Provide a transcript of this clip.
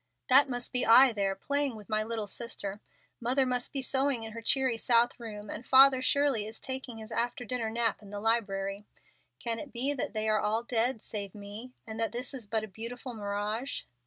That must be I there playing with my little sister. Mother must be sewing in her cheery south room, and father surely is taking his after dinner nap in the library. Can it be that they are all dead save me? and that this is but a beautiful mirage?"